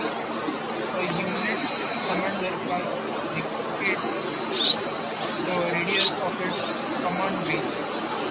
A unit's commander class dictates the radius of its command range.